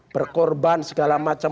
berkorban segala macam